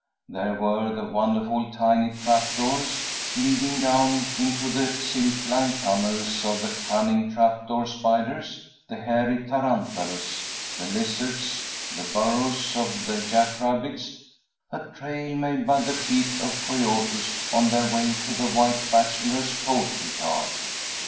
There were the wonderful tiny trap doors leading down into the silk lined tunnels of the cunning trap door spiders; the hairy tarantulas; the lizards; the burrows of the jack rabbits; a trail made by the feet of coyotes on their way to the White Bachelor's poultry yard.